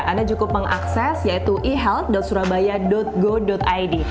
anda cukup mengakses yaitu ehel surabaya go id